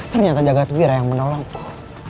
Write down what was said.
ternyata jagadwira yang menolongku